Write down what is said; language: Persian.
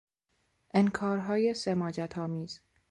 انکارهای سماجت آمیز